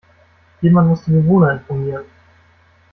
Jemand muss die Bewohner informieren.